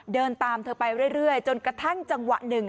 เดินตามเธอไปเรื่อยจนกระทั่งจังหวะหนึ่ง